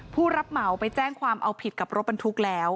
ผู้รับเหมาไปแจ้งความเอาผิดกับรถบรรทุกแล้ว